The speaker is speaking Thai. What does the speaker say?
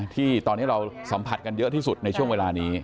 ที่ตอนนี้เราสัมผัสกันเยอะที่สุดในช่วงเวลานี้